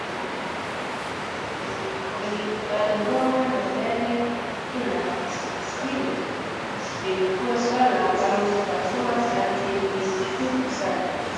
Aligongwa na gari! Ila hili, lilikuwa swala ambalo Fatuma alilishuku sana